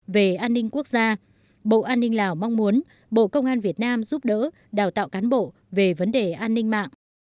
về an ninh quốc gia bộ an ninh lào mong muốn bộ công an việt nam giúp đỡ đào tạo cán bộ về vấn đề an ninh mạng